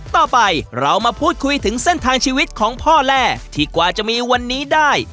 ต่อไปเรามาพูดคุยถึงเส้นทางชีวิตของพ่อแร่ที่กว่าจะมีวันนี้ได้